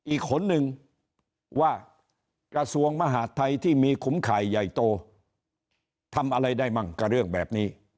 อีกคนนึงว่ากระทรวงมหาดไทยที่มีขุมข่ายใหญ่โตทำอะไรได้มั่งกับเรื่องแบบนี้